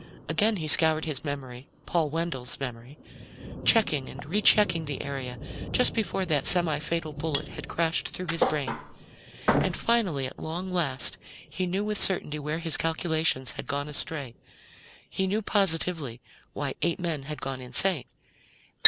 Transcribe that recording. Again he scoured his memory Paul Wendell's memory checking and rechecking the area just before that semi fatal bullet had crashed through his brain. And finally, at long last, he knew with certainty where his calculations had gone astray. He knew positively why eight men had gone insane.